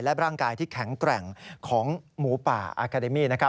และร่างกายที่แข็งแกร่งของหมูป่าอาคาเดมี่